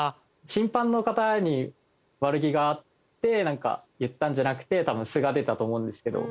審判の方に悪気があって言ったんじゃなくて多分素が出たと思うんですけど。